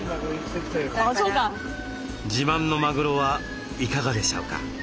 自慢のマグロはいかがでしょうか？